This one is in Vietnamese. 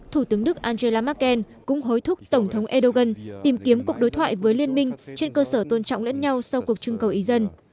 thủ tướng đức angela merkel cũng hối thúc tổng thống erdogan tìm kiếm cuộc đối thoại với liên minh trên cơ sở tôn trọng lẫn nhau sau cuộc trưng cầu ý dân